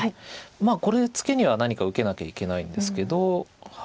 これツケには何か受けなきゃいけないんですけど。